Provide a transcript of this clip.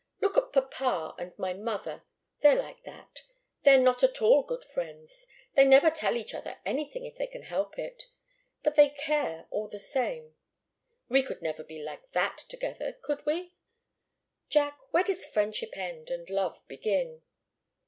Look at papa and my mother. They're like that. They're not at all good friends. They never tell each other anything if they can help it. But they care all the same. We could never be like that together, could we? Jack where does friendship end and love begin?"